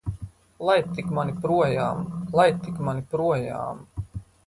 Laid tik mani projām! Laid tik mani projām!